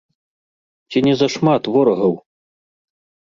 Ці не зашмат ворагаў?